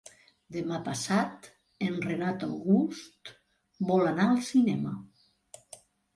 Demà passat en Renat August vol anar al cinema.